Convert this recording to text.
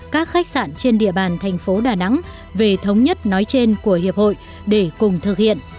các khách sạn trên địa bàn thành phố đà nẵng về thống nhất nói trên của hiệp hội để cùng thực hiện